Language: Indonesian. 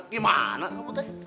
di mana pak butik